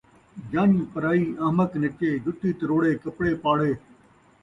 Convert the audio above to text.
جن٘ڄ پرائی، احمق نچے، جُتی تروڑے کپڑے پاڑے